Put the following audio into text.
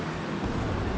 naik naik naik naik